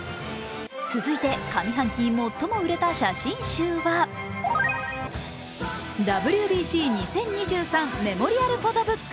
続いて、上半期最も売れた写真集は「ＷＢＣ２０２３メモリアルフォトブック」